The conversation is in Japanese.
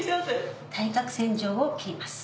対角線上を切ります。